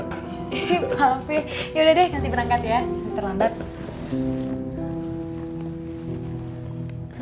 papih yaudah deh nanti berangkat ya